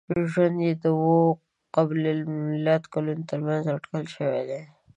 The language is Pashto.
ژوند یې د اوه ق کلونو تر منځ اټکل شوی دی.